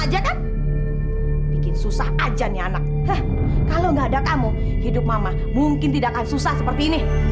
aja kan bikin susah aja nih anak kalau nggak ada kamu hidup mama mungkin tidak akan susah seperti ini